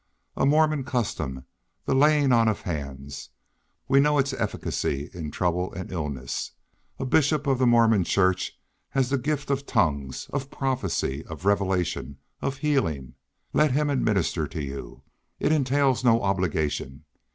"A Mormon custom, 'the laying on of hands.' We know its efficacy in trouble and illness. A Bishop of the Mormon Church has the gift of tongues, of prophecy, of revelation, of healing. Let him administer to you. It entails no obligation.